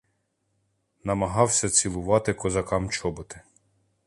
Намагався цілувати козакам чоботи.